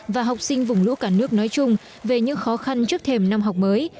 và học sinh vùng lũ cả nước nói chung về những khó khăn trước thềm năm học mới